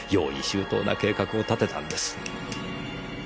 周到な計画を立てたんです。